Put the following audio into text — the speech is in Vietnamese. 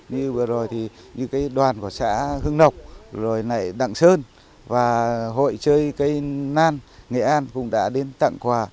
như đoàn của xã hưng nộc đặng sơn và hội chơi cây nan nghệ an cũng đã đến tặng quà